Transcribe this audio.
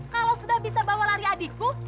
kalau sudah bisa bawa lari adikku